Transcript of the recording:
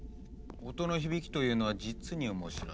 音の響きというのは実に面白い。